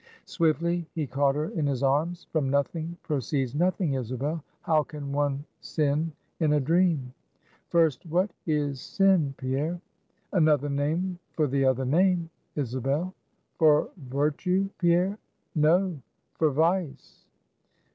Swiftly he caught her in his arms: "From nothing proceeds nothing, Isabel! How can one sin in a dream?" "First what is sin, Pierre?" "Another name for the other name, Isabel." "For Virtue, Pierre?" "No, for Vice."